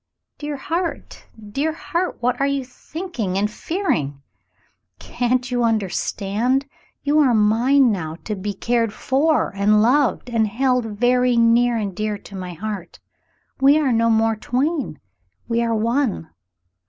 "Dear heart, dear heart ! What are you thinking and fearing ? Can't you understand ? You are mine now, to be cared for and loved and held very near and dear to my heart. We are no more twain, we are one."